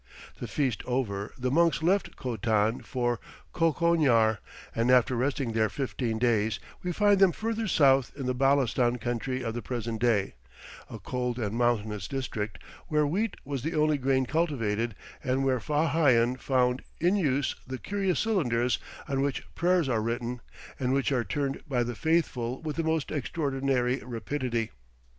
The feast over, the monks left Khotan for Koukonyar, and after resting there fifteen days, we find them further south in the Balistan country of the present day, a cold and mountainous district, where wheat was the only grain cultivated, and where Fa Hian found in use the curious cylinders on which prayers are written, and which are turned by the faithful with the most extraordinary rapidity.